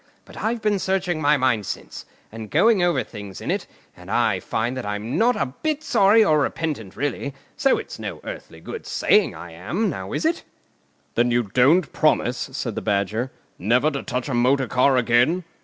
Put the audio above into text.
But I've been searching my mind since, and going over things in it, and I find that I'm not a bit sorry or repentant really, so it's no earthly good saying I am; now, is it?" "Then you don't promise," said the Badger, "never to touch a motor car again?"